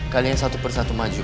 kalian satu persatu maju